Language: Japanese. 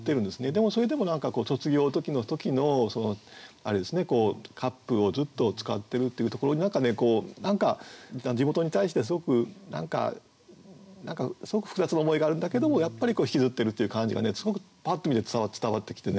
でもそれでも何か卒業の時のカップをずっと使ってるっていうところに地元に対してすごく何かすごく複雑な思いがあるんだけどもやっぱり引きずってるという感じがねすごくパッと見て伝わってきてね